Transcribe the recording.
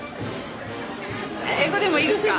英語でもいいですか？